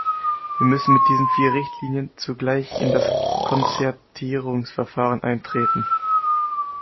Wir müssen mit diesen vier Richtlinien zugleich in das Konzertierungsverfahren eintreten.